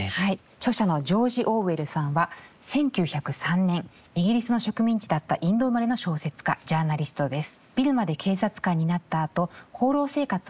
著者のジョージ・オーウェルさんは１９０３年イギリスの植民地だったインド生まれの小説家・ジャーナリストです。